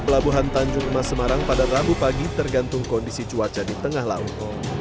pelabuhan tanjung emas semarang pada rabu pagi tergantung kondisi cuaca di tengah laut